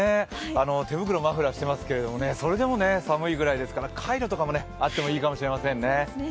手袋、マフラーしてますけれども、それでも寒いぐらいですからカイロぐらいあってもいいかもしれませんね。